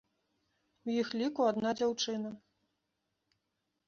У іх ліку адна дзяўчына.